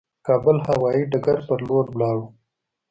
کابل هوايي ډګر پر لور ولاړو.